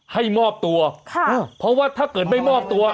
ให้มอบตัวค่ะเพราะว่าถ้าเกิดไม่มอบตัว